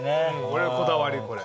俺のこだわりこれ。